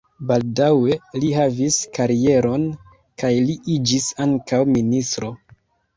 Baldaŭe li havis karieron kaj li iĝis ankaŭ ministro.